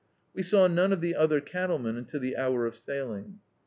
Wc saw none of the other cattlemen until the hour of sail ing.